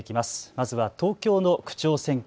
まずは東京の区長選挙。